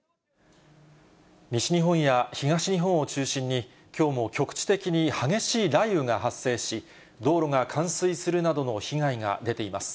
西日本や東日本を中心に、きょうも局地的に激しい雷雨が発生し、道路が冠水するなどの被害が出ています。